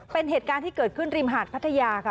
เป็นเหตุการณ์ที่เกิดขึ้นริมหาดพัทยาค่ะ